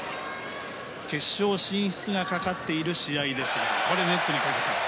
決勝進出がかかった試合ですが、ここはネットにかかった。